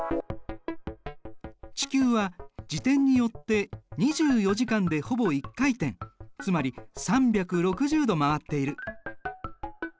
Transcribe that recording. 地球は自転によって２４時間でほぼ１回転つまり３６０度回っている。